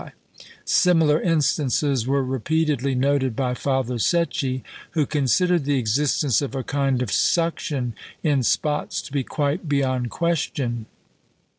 Similar instances were repeatedly noted by Father Secchi, who considered the existence of a kind of suction in spots to be quite beyond question.